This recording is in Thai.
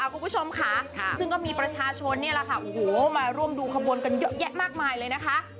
คุณผู้ชมค่ะซึ่งก็มีประชาชนนี่แหละค่ะโอ้โหมาร่วมดูขบวนกันเยอะแยะมากมายเลยนะคะ